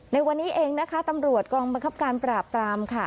ในวันนี้เองนะคะตำรวจกองบังคับการปราบปรามค่ะ